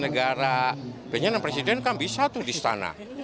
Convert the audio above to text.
negara benar benar presiden kan bisa tuh di setanah